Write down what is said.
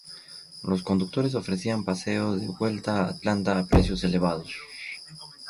Los conductores ofrecían paseos de vuelta a Atlanta a precios elevados.